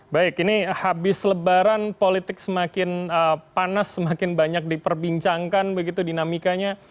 baik ini habis lebaran politik semakin panas semakin banyak diperbincangkan begitu dinamikanya